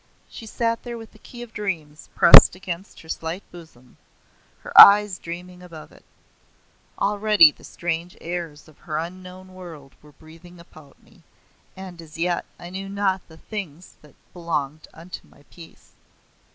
She sat there with the Key of Dreams pressed against her slight bosom her eyes dreaming above it. Already the strange airs of her unknown world were breathing about me, and as yet I knew not the things that belonged unto my peace.